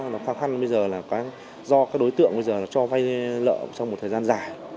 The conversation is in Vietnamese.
nó khó khăn bây giờ là do các đối tượng bây giờ cho vai lợ trong một thời gian dài